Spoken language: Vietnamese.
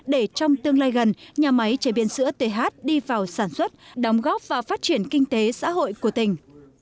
để trong tương lai gần nhà máy chế biến sữa th đi vào sản xuất đóng góp và phát triển kinh tế xã hội của tỉnh